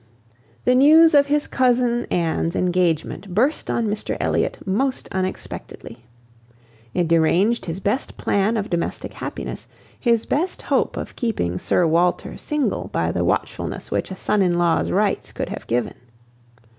The news of his cousin Anne's engagement burst on Mr Elliot most unexpectedly. It deranged his best plan of domestic happiness, his best hope of keeping Sir Walter single by the watchfulness which a son in law's rights would have given.